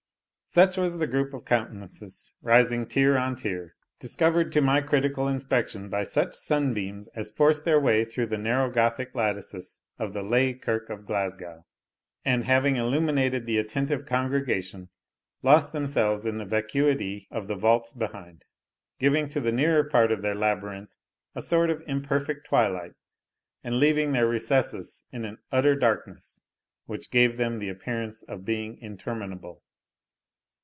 Such was the group of countenances, rising tier on tier, discovered to my critical inspection by such sunbeams as forced their way through the narrow Gothic lattices of the Laigh Kirk of Glasgow; and, having illuminated the attentive congregation, lost themselves in the vacuity of the vaults behind, giving to the nearer part of their labyrinth a sort of imperfect twilight, and leaving their recesses in an utter darkness, which gave them the appearance of being interminable.